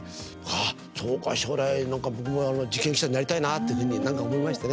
あ、そうか、将来なんか僕も事件記者になりたいなっていうふうに、なんか思いましたね。